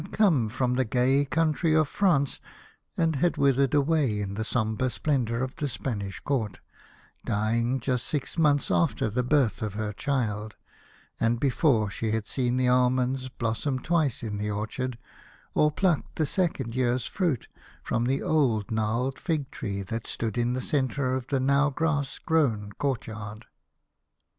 come from the gay country of France, and had withered away in the sombre splendour of the Spanish court, dying just six months after the birth of her child, and before she had seen the almonds blossom twice in the orchard, or plucked the second year's lruit from the old gnarled fig tree that stood in the centre of the now grass grown courtyard.